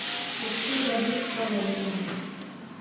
پښتو به هیڅکله نه مري.